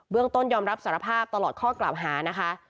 ต้นยอมรับสารภาพตลอดข้อกล่าวหานะคะ